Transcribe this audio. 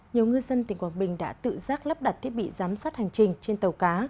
nhiều ngư dân tỉnh quảng bình đã tự giác lắp đặt thiết bị giám sát hành trình trên tàu cá